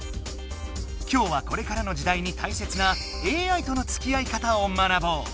今日はこれからの時だいにたいせつなＡＩとのつきあい方を学ぼう。